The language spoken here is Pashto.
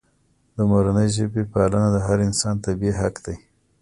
د مورنۍ ژبې پالنه د هر انسان طبیعي حق دی.